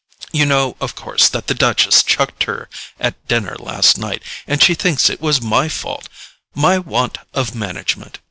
You know, of course, that the Duchess chucked her at dinner last night, and she thinks it was my fault—my want of management.